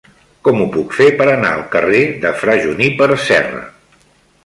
Com ho puc fer per anar al carrer de Fra Juníper Serra?